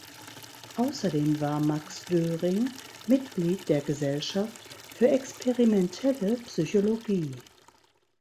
Außerdem war Max Döring Mitglied der Gesellschaft für experimentelle Psychologie.